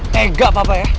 tega papa ya